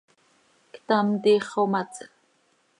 Ctam, tiix xomatsj.